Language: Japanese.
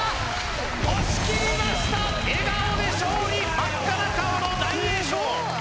押し切りました笑顔で勝利真っ赤な顔の大栄翔